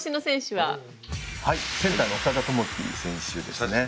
はいセンターの長田智希選手ですね。